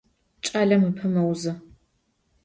Ç'alem ıpe meuzı.